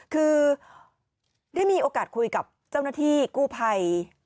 คือได้มีโอกาสคุยกับเจ้าหน้าที่กู้ภัย